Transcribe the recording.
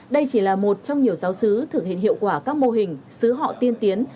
đây chỉ là một trong nhiều giáo sứ thực hiện hiệu quả các mô hình sứ họ tiên tiến